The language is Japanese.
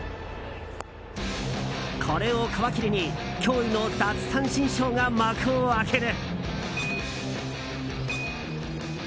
これを皮切りに驚異の奪三振ショーが幕を開ける。